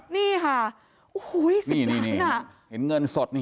นี่เห็นเงินสดอีกละค่ะ